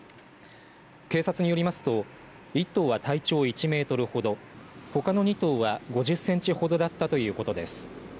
警察によりますと１頭は体長１メートルほどほかの２頭は５０センチほどだったということです。